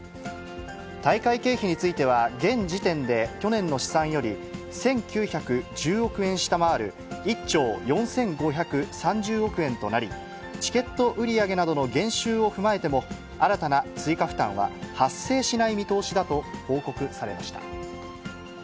大会経費については、現時点で、去年の試算より１９１０億円下回る、１兆４５３０億円となり、チケット売り上げなどの減収を踏まえて新たな追加負担は発生しない見通しだと報告されました。